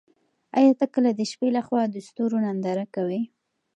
ایا ته کله د شپې له خوا د ستورو ننداره کوې؟